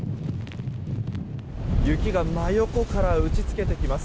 雪が真横から打ち付けてきます。